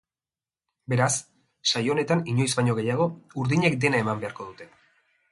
Beraz, saio honetan inoiz baino gehiago, urdinek dena eman beharko dute.